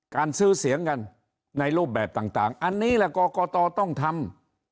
การซื้อเสียงกันในรูปแบบต่างอันนี้แหละกรกตต้องทำ